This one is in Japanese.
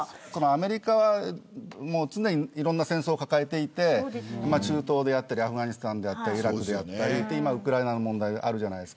アメリカは常にいろんな戦争を抱えていて中東だったりアフガニスタンだったりイラクであったり今はウクライナの問題がある。